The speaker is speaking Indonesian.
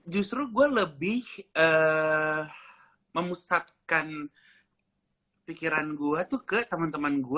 justru gua lebih memusatkan pikiran gua tuh ke temen temen gua yang entrepreneur gitu ya